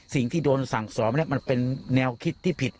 สิ่งที่โดนสั่งสอนมันเป็นแนวคิดที่ผิด